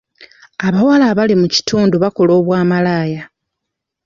Abawala abali mu kitundu bakola obwa malaaya.